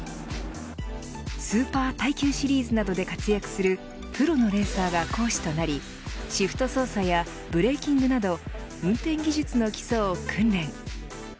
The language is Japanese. スーパー耐久シリーズなどで活躍するプロのレーサーが講師となりシフト操作やブレーキングなど運転技術の基礎を訓練。